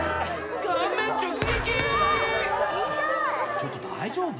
ちょっと、大丈夫？